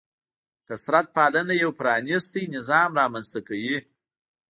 کثرت پالنه یو پرانیستی نظام رامنځته کوي.